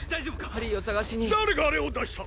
ハリーを捜しに誰があれを出した！